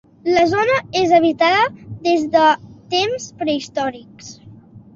La zona és habitada des de temps prehistòrics.